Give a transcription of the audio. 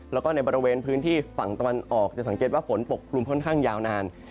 แล้วก็ในบริเวณพื้นที่ฝั่งตะวันออกจะสังเกตว่าฝนปกคลุมค่อนข้างยาวนาน